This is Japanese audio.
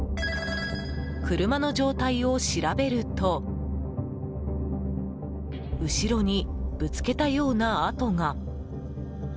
車の状態を調べると後ろにぶつけたような跡が。